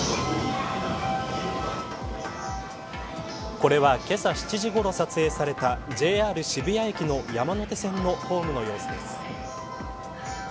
これは、けさ７時ごろ撮影されたＪＲ渋谷駅の山手線のホームの様子です。